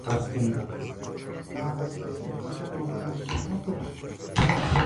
Tras su lanzamiento, "Danger days" recibió críticas generalmente positivas.